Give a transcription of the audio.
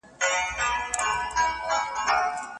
او ټولي کورنۍ او دوستانو ته یې د زړه صبر او عوضونه غواړم.